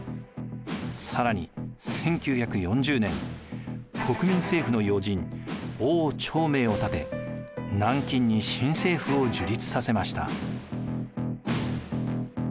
更に１９４０年国民政府の要人汪兆銘を立て南京に新政府を樹立させました。